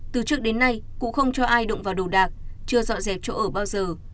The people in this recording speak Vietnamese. từ trước đến nay cụ không cho ai động vào đồ đạc chưa dọn dẹp chỗ ở bao giờ